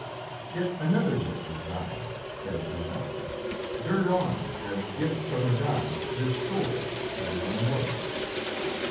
"Yet another gift is thine," said Athené. "Gird on, as gift from the gods, this sword that is immortal."